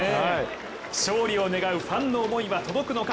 勝利を願うファンの思いは届くのか。